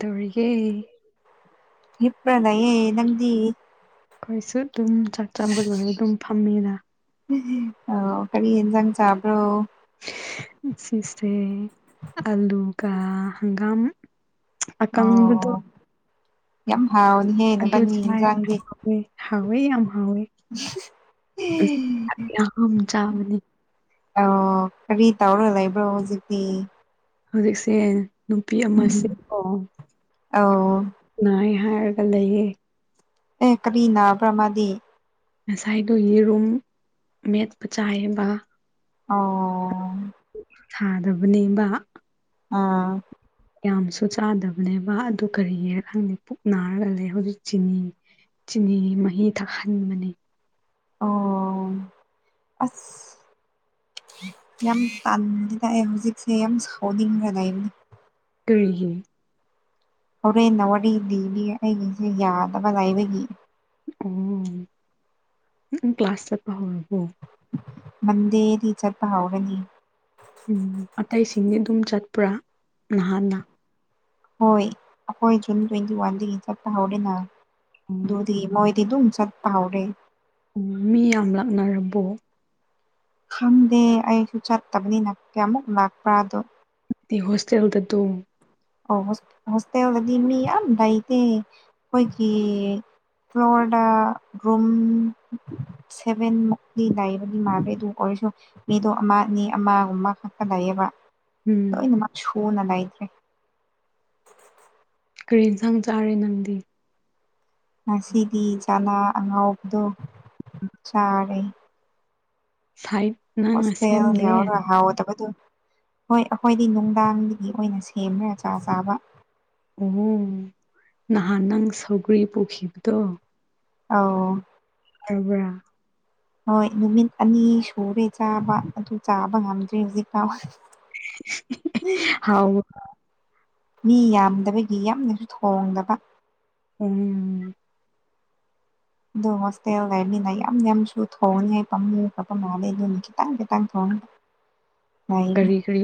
ꯗꯧꯔꯤꯒꯦ ꯍꯤꯞꯔꯥ ꯂꯩꯌꯦ ꯅꯪꯗꯤ ꯑꯩꯈꯣꯏꯁꯨ ꯑꯗꯨꯝ ꯆꯥꯛ ꯆꯥꯝꯕ ꯂꯣꯏꯔ ꯑꯗꯨꯝ ꯐꯝꯃꯤꯅ ꯑꯣ ꯀꯔꯤ ꯍꯤꯟꯖꯥꯡ ꯆꯥꯕ꯭ꯔꯣ ꯉꯁꯤꯁꯦ ꯑꯂꯨꯒ ꯍꯪꯒꯥꯝ ꯑꯀꯪꯕꯗꯣ ꯑꯣ ꯌꯥꯝ ꯍꯥꯎꯅꯤꯍꯦ ꯅꯕꯥꯅꯤ ꯍꯤꯟꯖꯥꯡꯗꯤ ꯎꯝ ꯍꯥꯎꯋꯦ ꯌꯥꯝ ꯍꯥꯎꯋꯦ ꯌꯥꯝ ꯆꯥꯕꯅꯤ [unintelligible] ꯑꯣ ꯀꯔꯤ ꯇꯧꯔ ꯂꯩꯕ꯭ꯔꯣ ꯍꯧꯖꯤꯛꯇꯤ ꯍꯧꯖꯤꯛꯁꯦ ꯅꯨꯄꯤ ꯑꯃꯁꯦꯀꯣ ꯑꯧ ꯅꯥꯏ ꯍꯥꯏꯔꯒ ꯂꯩꯌꯦ ꯑꯦ ꯀꯔꯤ ꯅꯥꯕ꯭ꯔ ꯃꯥꯗꯤ ꯉꯁꯥꯏꯗꯨ ꯌꯦꯔꯨꯝ ꯃꯦꯠꯄ ꯆꯥꯏꯌꯦꯕ ꯑꯣ ꯊꯥꯗꯕꯅꯦꯕ ꯑꯥ ꯌꯥꯝꯁꯨ ꯆꯥꯗꯕꯅꯦꯕ ꯑꯗꯨ ꯀꯔꯤꯒꯤꯔ ꯈꯪꯗꯦ ꯄꯨꯛ ꯅꯥꯔꯒ ꯂꯩ ꯍꯧꯖꯤꯛ ꯆꯤꯅꯤ ꯆꯤꯅꯤ ꯃꯍꯤ ꯊꯛꯍꯟꯕꯅꯤ ꯑꯣ ꯑꯁ ꯌꯥꯝ ꯄꯥꯝꯗꯦꯗ ꯑꯩ ꯍꯧꯖꯤꯛꯁꯦ ꯌꯥꯝ ꯁꯥꯎꯅꯤꯡꯔ ꯂꯩꯕ ꯀꯔꯤꯒꯤ ꯍꯣꯔꯦꯟꯅ ꯋꯥꯔꯤ ꯂꯤꯕꯤꯒꯦ ꯑꯩꯒꯤꯁꯦ ꯌꯥꯗꯕ ꯂꯩꯕꯒꯤ ꯑꯣ ꯀ꯭ꯂꯥꯁ ꯆꯠꯄꯥ ꯍꯧꯔꯕꯣ ꯃꯟꯗꯦꯗꯤ ꯆꯠꯄ ꯍꯧꯒꯅꯤ ꯎꯝ ꯑꯇꯩꯁꯤꯡꯗꯤ ꯑꯗꯨꯝ ꯆꯠꯄ꯭ꯔꯥ ꯅꯍꯥꯟꯅ ꯍꯣꯏ ꯑꯩꯈꯣꯏ ꯖꯨꯟ ꯇ꯭ꯋꯦꯟꯇꯤ ꯋꯥꯟꯗꯒꯤ ꯆꯠꯄ ꯍꯧꯔꯦꯅ ꯎꯝ ꯑꯗꯨꯗꯒꯤ ꯃꯣꯏ ꯗꯤ ꯑꯗꯨꯝ ꯆꯠꯄ ꯍꯧꯔꯦ ꯎꯝ ꯃꯤ ꯌꯥꯝ ꯂꯥꯛꯅꯔꯕꯣ ꯈꯪꯗꯦ ꯑꯩꯁꯨ ꯆꯠꯇꯕꯅꯤꯅ ꯀꯌꯥꯃꯨꯛ ꯂꯥꯛꯄ꯭ꯔꯥꯗꯣ ꯍꯣꯁꯇꯦꯜꯗ ꯑꯗꯨꯝ ꯑꯥꯎ ꯍꯣꯁ ꯍꯣꯁꯇꯦꯜꯗꯗꯤ ꯃꯤ ꯌꯥꯝ ꯂꯩꯇꯦ ꯑꯩꯈꯣꯏꯒꯤ ꯐ꯭ꯂꯣꯔꯗꯥ ꯒ꯭ꯔꯣꯝ ꯁꯚꯦꯟ ꯃꯨꯛꯇꯤ ꯂꯩꯏꯕꯗꯤ ꯃꯥꯟꯒ꯭ꯔꯦ ꯑꯗꯨ ꯀꯣꯔꯤꯁꯣ ꯃꯤꯗꯣ ꯑꯃ ꯑꯅꯤ ꯑꯃꯒꯨꯝꯕ ꯈꯛꯇ ꯂꯩꯌꯦꯕ ꯎꯝ ꯂꯣꯏꯅꯃꯛ ꯁꯨꯅ ꯂꯩꯇ꯭ꯔꯦ ꯀꯔꯤ ꯏꯟꯁꯥꯡ ꯆꯥꯔꯦ ꯅꯪꯗꯤ ꯉꯁꯤꯗꯤ ꯆꯥꯅ ꯑꯉꯧꯕꯗꯣ ꯆꯥꯔꯦ ꯐꯥꯏꯚ ꯅꯪꯅ ꯁꯦꯝꯗꯦ ꯍꯥꯎꯗꯕꯗꯣ ꯍꯣꯏ ꯑꯈꯣꯏꯗꯤ ꯅꯨꯡꯗꯥꯡꯗꯒꯤ ꯑꯈꯣꯏꯅ ꯁꯦꯝꯕ꯭ꯔꯥ ꯆꯥ ꯆꯥꯕ ꯑꯣ ꯅꯍꯥꯟ ꯅꯪ ꯁꯧꯒ꯭ꯔꯤ ꯄꯨꯈꯤꯕꯗꯣ ꯑꯧ ꯇꯕꯔ ꯍꯣꯏ ꯅꯨꯃꯤꯠ ꯑꯅꯤ ꯁꯨꯔꯦ ꯆꯥꯕ ꯑꯗꯨ ꯆꯥꯕ ꯉꯝꯗ꯭ꯔꯦ ꯍꯧꯖꯤꯛꯐꯥꯎ ꯍꯥꯎ ꯃꯤ ꯌꯥꯝꯗꯕꯒꯤ ꯌꯥꯝꯅꯁꯨ ꯊꯣꯡꯗꯕ ꯎꯝ ꯑꯗꯣ ꯍꯣꯁꯇꯦꯜ ꯂꯩꯕꯅꯤꯅ ꯌꯥꯝ ꯌꯥꯝꯁꯨ ꯊꯣꯡꯅꯤꯉꯥꯏ ꯄꯥꯝꯃꯨꯕ ꯄꯝ ꯃꯥꯜꯂꯦ ꯑꯗꯨꯅ ꯈꯤꯇꯪ ꯈꯤꯇꯪ ꯊꯣꯡꯉ [inaudible] ꯀꯔꯤ ꯀꯔꯤ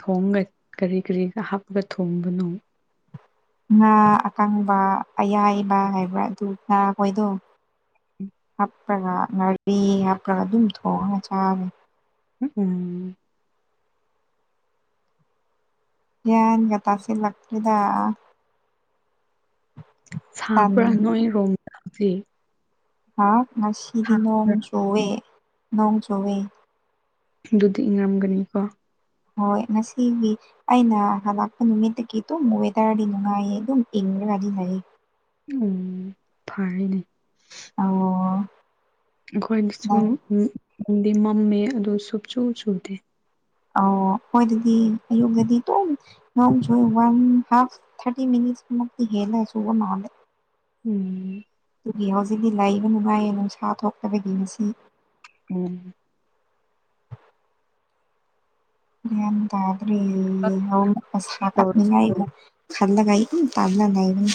ꯊꯣꯡꯉꯩꯠ ꯀꯔꯤ ꯀꯔꯤꯒ ꯍꯥꯞꯄꯒ ꯊꯣꯡꯕꯅꯣ ꯉꯥ ꯑꯀꯪꯕ ꯑꯌꯥꯏꯕ ꯍꯥꯏꯕ꯭ꯔꯥ ꯑꯗꯨ ꯉꯥꯈꯣꯏꯗꯣ ꯍꯥꯞꯄ꯭ꯔꯒ ꯉꯥꯔꯤ ꯍꯥꯞꯄ꯭ꯔꯒ ꯑꯗꯨꯝ ꯊꯣꯡꯉꯒ ꯆꯥꯕꯦ ꯎꯝ ꯎꯝ ꯒ꯭ꯌꯥꯟꯒ ꯇꯁꯤꯜꯂꯥꯛꯇ꯭ꯔꯦꯗ ꯇꯟ ꯁꯕ꯭ꯔꯥ ꯅꯣꯏ ꯔꯣꯝꯗ ꯍꯧꯖꯤꯛ ꯍꯥꯎ ꯉꯁꯤꯗꯤ ꯅꯣꯡ ꯁꯥꯕ꯭ꯔꯥ ꯆꯨꯋꯦ ꯅꯣꯡ ꯆꯨꯋꯦ ꯑꯗꯨꯗꯤ ꯏꯪꯉꯔꯝꯒꯅꯤꯀꯣ ꯍꯣꯏ ꯉꯁꯤꯒꯤ ꯑꯩꯅ ꯍꯂꯛꯄ ꯅꯨꯃꯤꯠꯇꯒꯤ ꯑꯗꯨꯝ ꯋꯦꯗꯔꯗꯤ ꯅꯨꯡꯉꯥꯏꯌꯦ ꯑꯗꯨꯝ ꯏꯪꯉꯔꯒꯗꯤ ꯂꯩ ꯎꯝ ꯐꯔꯦꯅꯦ ꯑꯧꯋꯣ ꯑꯩꯈꯣꯏꯅꯆꯨ ꯎꯝ ꯃꯝꯗꯤ ꯃꯝꯃꯦ ꯑꯗꯨ ꯁꯨꯞꯆꯨ ꯁꯨꯗꯦ ꯑꯧꯋꯣ ꯈꯣꯏꯗꯗꯤ ꯑꯌꯨꯛꯗꯗꯤ ꯇꯨꯝ [unintelligible] ꯋꯥꯟ ꯍꯥꯞ ꯊ꯭ꯔꯇꯤ ꯃꯤꯅꯤꯠꯁ ꯃꯨꯛꯇꯤ ꯍꯦꯜꯂ ꯁꯨꯕ ꯃꯥꯜꯂꯦ ꯎꯝ ꯇꯨꯒꯤ ꯍꯧꯖꯤꯛꯇꯤ ꯂꯩꯕ ꯅꯨꯡꯉꯥꯏꯌꯦ ꯅꯨꯡꯁꯥ ꯊꯣꯛꯇꯕꯒꯤ ꯉꯁꯤ ꯎꯝ ꯒꯌꯥꯟ ꯇꯗ꯭ꯔꯤ ꯌꯦꯜꯍꯧ ꯉꯛ ꯃꯁꯥ ꯀꯛ ꯅꯤꯡꯉꯥꯏ ꯑꯃꯨꯛ ꯈꯜꯂꯒꯥ ꯑꯩ ꯇꯨꯝ ꯇꯜꯂ ꯂꯩꯕꯅꯤ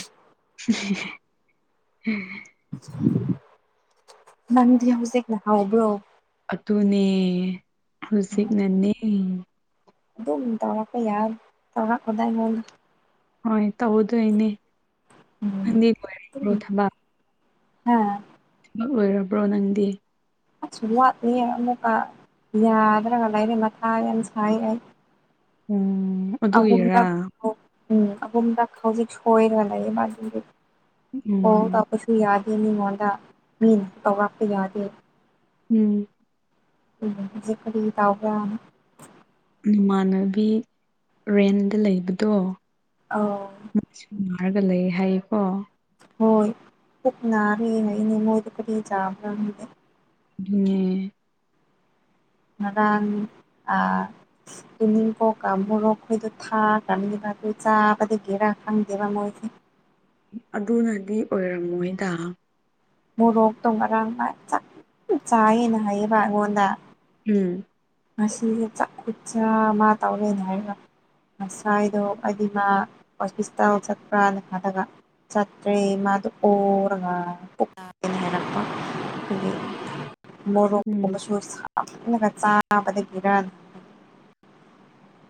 [unintelligible] [inaudible] ꯅꯪꯗꯤ ꯍꯧꯖꯤꯛꯅ ꯍꯥꯎꯕ꯭ꯔꯣ ꯑꯗꯨꯅꯦ ꯍꯧꯖꯤꯛꯅꯅꯦ ꯑꯗꯨꯝ ꯇꯧꯔꯛꯄ ꯌꯥꯝ ꯇꯧꯔꯛꯑꯣꯗ ꯑꯩꯉꯣꯟꯗ ꯍꯣꯏ ꯇꯧꯗꯣꯏꯅꯦ ꯎꯝ ꯅꯪꯗꯤ ꯂꯣꯏꯔꯕ꯭ꯔꯣ ꯑꯗꯨꯝ ꯊꯕꯛ ꯍꯥ ꯃꯛ ꯂꯣꯏꯔꯕ꯭ꯔꯣ ꯅꯪꯗꯤ ꯑꯥꯠꯆ ꯋꯥꯠꯂꯤꯌꯦ ꯑꯃꯨꯛꯀ ꯌꯥꯗ꯭ꯔꯒ ꯂꯩꯔꯦ ꯃꯊꯥ ꯌꯥꯝ ꯁꯥꯏ ꯑꯩ ꯎꯝ ꯑꯗꯨꯒꯤꯔꯥ ꯑꯍꯨꯝꯔꯛ ꯎꯝ ꯑꯍꯨꯝꯔꯛ ꯍꯧꯖꯤꯛ ꯁꯣꯏꯔꯒ ꯂꯩꯌꯦ ꯃꯥ ꯀꯣꯜ ꯎꯝ ꯇꯧꯕꯁꯨ ꯌꯗꯦ ꯃꯤꯉꯣꯟꯗ ꯃꯤꯅ ꯇꯧꯔꯛꯄ ꯌꯗꯦ ꯎꯝ ꯎꯝ ꯍꯧꯖꯤꯛ ꯀꯔꯤ ꯇꯧꯕ꯭ꯔ ꯅꯃꯥꯟꯅꯕꯤ ꯔꯦꯟꯗ ꯂꯩꯕꯗꯣ ꯑꯧ [inaudible] ꯅꯥꯔꯒ ꯂꯩ ꯍꯥꯏꯌꯦꯀꯣ ꯍꯣꯏ ꯄꯨꯛ ꯅꯔꯦꯅꯦ ꯃꯣꯏꯗꯤ ꯀꯔꯤ ꯆꯥꯕ꯭ꯔ ꯈꯪꯗꯦ [inaudible] ꯉꯔꯥꯡ ꯑ ꯇꯨꯅꯤꯡꯈꯣꯛꯀ ꯃꯣꯔꯣꯛꯈꯣꯏꯗꯣ ꯊꯥ ꯀꯅꯤꯕ ꯑꯗꯨ ꯆꯥꯕꯗꯒꯤꯔꯥ ꯈꯪꯗꯦꯕ ꯃꯣꯏꯁꯦ ꯑꯗꯨꯅꯗꯤ ꯑꯣꯏꯔꯝꯃꯣꯏꯗ ꯃꯣꯔꯣꯛꯇꯣ ꯉꯔꯥꯡ ꯐꯖꯅ ꯆꯥꯏꯌꯦꯅ ꯍꯥꯏꯌꯦꯕ ꯑꯩꯉꯣꯟꯗ ꯎꯝ ꯉꯁꯤꯒ [unintelligible] ꯃꯥ ꯇꯧꯔꯦꯅ ꯍꯥꯏꯔꯒ ꯉꯁꯥꯏꯗꯣ ꯑꯩꯗꯤ ꯃꯥ ꯑꯣꯐꯤꯁꯇ ꯆꯠꯄ꯭ꯔꯥꯅ ꯈꯜꯂꯒ ꯆꯠꯇ꯭ꯔꯦ ꯃꯗꯣ ꯑꯣꯔꯒ ꯄꯨꯛ ꯅꯔꯦꯅ ꯍꯥꯏꯔꯛꯄ ꯑꯗꯩ ꯎꯝ ꯃꯣꯔꯣꯛꯒꯨꯝꯕꯁꯨ ꯁꯃꯟꯂꯒ ꯆꯥ - ꯆꯥꯕꯗꯒꯤꯔꯥ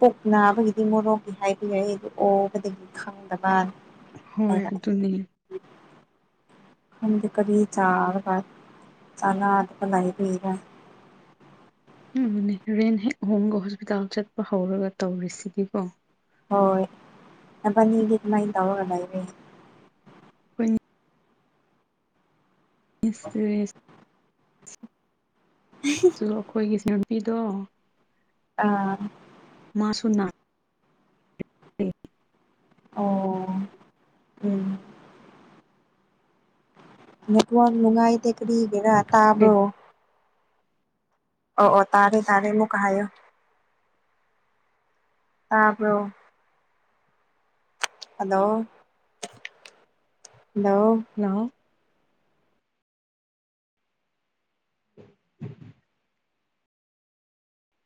ꯄꯨꯛ ꯅꯥꯕꯒꯤꯗꯤ ꯃꯣꯔꯣꯛꯒꯤ ꯍꯥꯏꯕ ꯌꯥꯏ ꯑꯗꯨ ꯑꯣꯕꯗꯒꯤ ꯈꯪꯗꯕ ꯍꯣꯏ ꯍꯥꯏꯔꯛꯑꯦ ꯑꯗꯨꯅꯤ [inaudible] ꯈꯪꯗꯦ ꯀꯔꯤ ꯆꯔꯥꯒ [inaudible] ꯎꯝ ꯅꯦ ꯔꯦꯟ ꯍꯦꯛ ꯍꯣꯡꯕꯒ ꯍꯣꯁꯄꯤꯇꯥꯜ ꯆꯠꯄ ꯍꯧꯔꯒ ꯇꯧꯔꯤꯁꯤꯗꯤꯀꯣ ꯍꯣꯏ ꯅꯕꯥꯅꯤꯗꯤ ꯑꯗꯨꯃꯥꯏꯅ ꯇꯧꯔꯒ ꯂꯩꯔꯦ ꯑꯩꯈꯣꯏꯅꯤ ꯏꯁꯇ꯭ꯔꯦꯁ [unintelligible] ꯗꯨꯔꯣ ꯑꯈꯣꯏꯒꯤ ꯁꯤ ꯑꯥꯔ ꯕꯤꯗꯣ ꯫ ꯑꯥ ꯫ ꯃꯥ ꯁꯨꯅ [unintelligible] ꯑꯣ ꯎꯝ ꯫ ꯅꯦꯇꯋꯥ꯭ꯔꯛ ꯅꯨꯉꯥꯏ ꯇꯦ ꯀꯔꯤ ꯒꯤꯔꯥ ꯇꯥꯕ꯭ꯔꯣ ꯫ ꯑꯣ ꯑꯣ ꯇꯥꯔꯦ ꯇꯔꯦ ꯃꯨꯛꯀ ꯍꯥꯏꯌꯣ [inaudible] [inaudible] ꯇꯥꯕ꯭ꯔꯣ ꯫ Hello [unintelligible] hello. [unintelligible] [unintelligible]